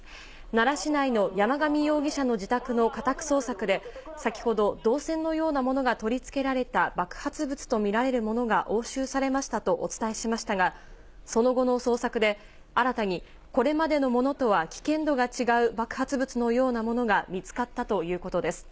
奈良市内の山上容疑者の自宅の家宅捜索で、先ほど、銅線のようなものが取り付けられた爆発物と見られるものが押収されましたとお伝えしましたが、その後の捜索で、新たにこれまでのものとは危険度が違う爆発物のようなものが見つかったということです。